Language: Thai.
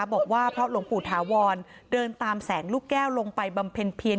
บอกว่าเพราะหลวงปู่ถาวรเดินตามแสงลูกแก้วลงไปบำเพ็ญเพียร